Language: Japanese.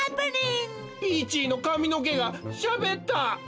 ！？ピーチーのかみのけがしゃべった！